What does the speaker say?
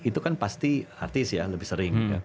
itu kan pasti artis ya lebih sering